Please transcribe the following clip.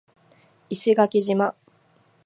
石垣島